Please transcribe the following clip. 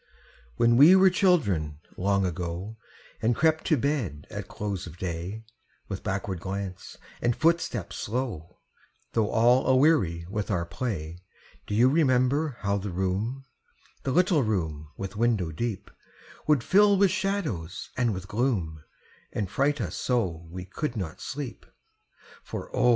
When we were children, long ago, And crept to bed at close of day, With backward glance and footstep slow, Though all aweary with our play, Do you remember how the room The little room with window deep Would fill with shadows and with gloom, And fright us so we could not sleep? For O!